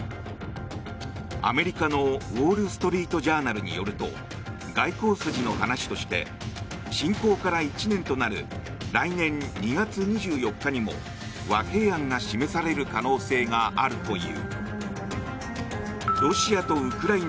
アメリカのウォール・ストリート・ジャーナルによると外交筋の話として侵攻から１年となる来年２月２４日にも和平案が示される可能性があるという。